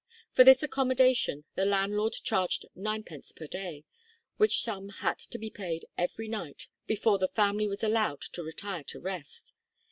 For this accommodation the landlord charged ninepence per day, which sum had to be paid every night before the family was allowed to retire to rest!